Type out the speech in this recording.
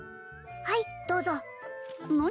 はいどうぞ何？